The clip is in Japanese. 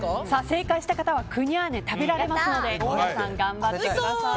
正解した方はクニャーネ、食べられますので皆さん頑張ってください。